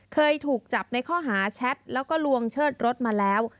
เคยถูกจับในข้อหาแชทแล้วก็ลวงเชิดรถมาแล้ว